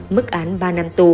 mức án ba trăm một mươi chín